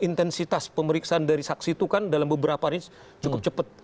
intensitas pemeriksaan dari saksi itu kan dalam beberapa hari cukup cepat